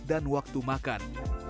dan waktu makan